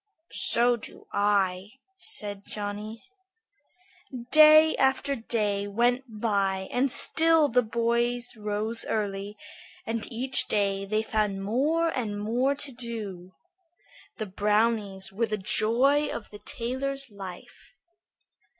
"So do I," said Johnny. Day after day went by and still the boys rose early, and each day they found more and more to do. The brownies were the joy of the tailor's life.